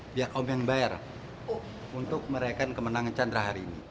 biar om yang bayar untuk merayakan kemenangan chandra hari ini